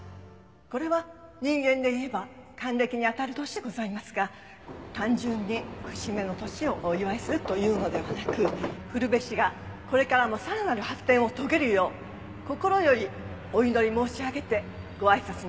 これは人間で言えば還暦にあたる年でございますが単純に節目の年をお祝いするというのではなく古辺市がこれからもさらなる発展を遂げるよう心よりお祈り申し上げてご挨拶に代えさせて頂きます。